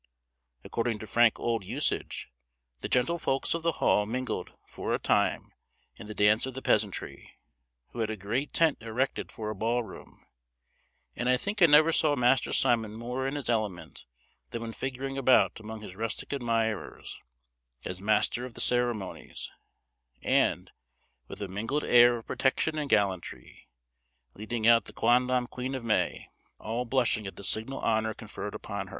According to frank old usage, the gentlefolks of the Hall mingled, for a time, in the dance of the peasantry, who had a great tent erected for a ball room; and I think I never saw Master Simon more in his element than when figuring about among his rustic admirers, as master of the ceremonies; and, with a mingled air of protection and gallantry, leading out the quondam Queen of May all blushing at the signal honour conferred upon her.